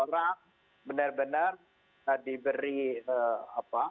orang benar benar diberi apa